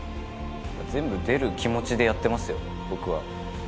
全部出る気持ちでやってますよ、僕は。